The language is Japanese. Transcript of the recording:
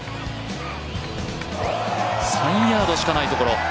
３ヤードしかないところ。